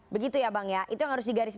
begitu ya bang ya itu yang harus digaris